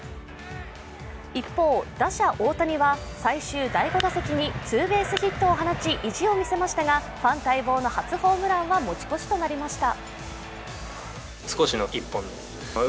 一方、打者・大谷は最終第５打席にツーベースヒットを放ち意地を見せましたがファン待望の初ホームランは持ち越しとなりました。